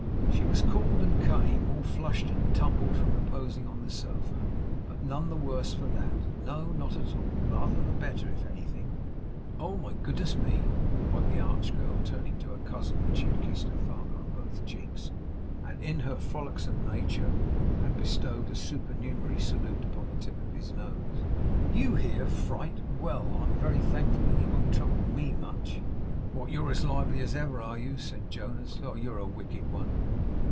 She was called and came, all flushed and tumbled from reposing on the sofa; but none the worse for that. No, not at all. Rather the better, if anything. 'Oh my goodness me!' cried the arch girl, turning to her cousin when she had kissed her father on both cheeks, and in her frolicsome nature had bestowed a supernumerary salute upon the tip of his nose, 'YOU here, fright! Well, I'm very thankful that you won't trouble ME much!' 'What! you're as lively as ever, are you?' said Jonas. 'Oh! You're a wicked one!